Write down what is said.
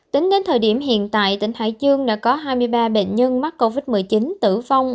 tính đến thời điểm hiện tại tỉnh hải dương đã có hai mươi ba bệnh nhân mắc covid một mươi chín tử vong